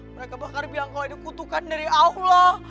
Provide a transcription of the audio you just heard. mereka bahkan bilang kalau ini kutukan dari allah